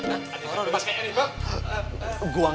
orang udah pas kek ini bang